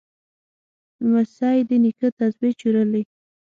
لمسی د نیکه تسبیح چورلي.